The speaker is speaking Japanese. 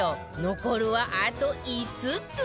残るはあと５つ